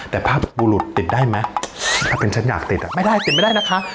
แต่ภาพบุรุษติดได้ไหมถ้าเป็นฉันอยากติดอ่ะไม่ได้ติดไม่ได้นะคะ